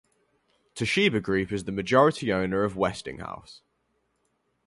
Toshiba Group is the majority owner of Westinghouse.